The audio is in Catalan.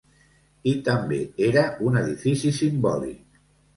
I també era un edifici simbòlic.